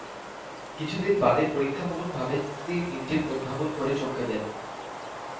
কিছুদিন বাদে পরীক্ষামূলকভাবে স্টিম ইঞ্জিন উদ্ভাবন করে চমকে দেন।